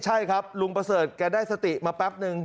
ใช่ครับลุงประเสริฐแกได้สติมาแป๊บนึง